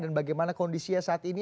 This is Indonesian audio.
dan bagaimana kondisinya saat ini